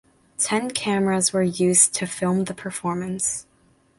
Ten cameras were used to film the performance.